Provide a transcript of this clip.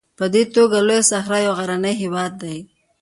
په دې توګه لویه صحرا یو غرنی هېواد دی.